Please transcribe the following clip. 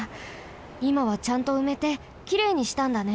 いまはちゃんとうめてきれいにしたんだね。